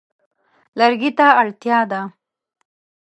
لرګي ته اړتیا ده.